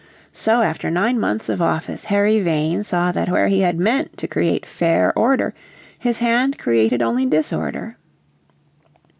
So after nine months of office Harry Vane saw that where he had meant to create fair order his hand created only disorder.